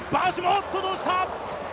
おっと、どうした？